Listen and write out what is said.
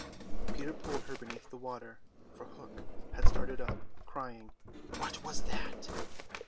Peter pulled her beneath the water, for Hook had started up, crying, "What was that?"